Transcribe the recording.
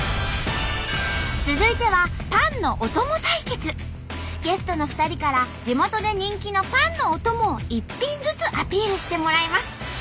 続いてはゲストの２人から地元で人気のパンのお供を１品ずつアピールしてもらいます。